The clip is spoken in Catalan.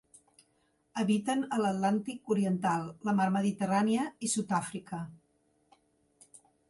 Habiten a l'Atlàntic oriental, la Mar Mediterrània i Sud-àfrica.